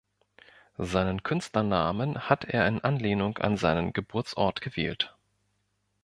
Seinen Künstlernamen hat er in Anlehnung an seinen Geburtsort gewählt.